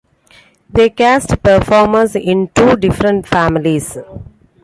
They cast performers in two different families.